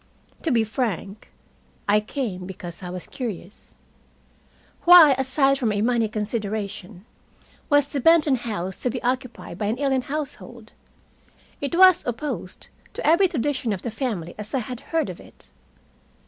To be frank, I came because I was curious. Why, aside from a money consideration, was the Benton house to be occupied by an alien household? It was opposed to every tradition of the family as I had heard of it.